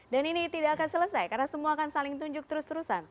dan ini tidak akan selesai karena semua akan saling tunjuk terus terusan